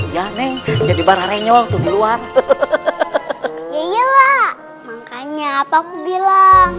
ya neng jadi barah renyol tuh di luar hahaha ya iyalah makanya apa aku bilang